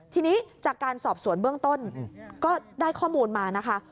ทีนี้จากการสอบสวนเบื้องต้นก็ได้ข้อมูลมานะคะ